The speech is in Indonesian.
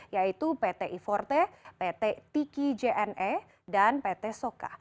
yaitu pt iforte pt tiki jne dan pt soka